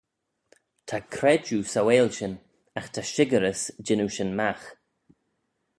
Ta credjue sauaill shin agh ta shickerys jannoo shin magh.